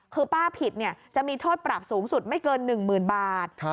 คือป้าผิดจะมีโทษปรับสูงสุดไม่เกิน๑๐๐๐บาท